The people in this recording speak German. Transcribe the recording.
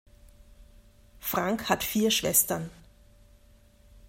Frank hat vier Schwestern.